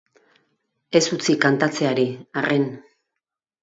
Ez utzi kantatzeari, arren.